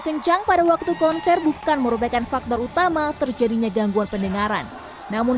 kencang pada waktu konser bukan merupakan faktor utama terjadinya gangguan pendengaran namun